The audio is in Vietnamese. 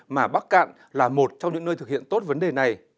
mà bắc cạn là một trong những nơi thực hiện tốt vấn đề này